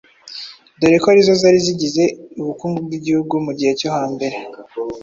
dore ko arizo zari zigize ubukungu bw’igihugu mu gihe cyo hambere.